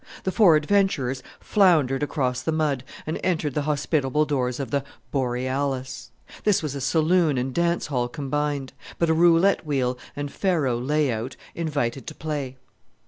The four adventurers floundered across the mud and entered the hospitable doors of the Borealis. This was a saloon and dance hall combined; but a roulette wheel and faro lay out invited to play.